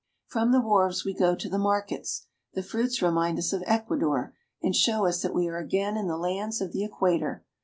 From the wharves we go to the markets. The fruits remind us of Ecuador, and show us that we are again in the lands of the equator.